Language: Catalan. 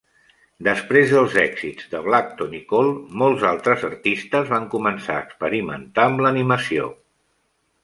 Després dels èxits de Blackton i Cohl, molts altres artistes van començar a experimentar amb l'animació.